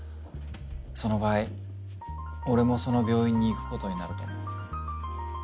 その場合俺もその病院に行くことになると思う。